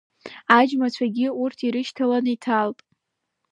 Аџьамцәагьы урҭ ирышьҭаланы иҭалт.